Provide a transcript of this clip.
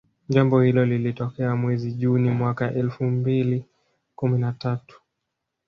Jambo hilo lilitokea mwezi juni mwaka elfu mbili kumi na tatau